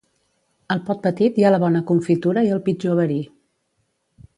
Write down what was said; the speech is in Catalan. Al pot petit hi ha la bona confitura i el pitjor verí